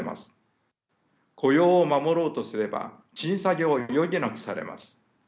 雇用を守ろうとすれば賃下げを余儀なくされます。